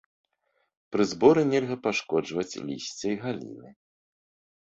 Пры зборы нельга пашкоджваць лісце і галіны.